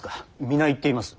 皆言っています。